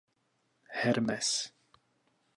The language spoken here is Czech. Hermes.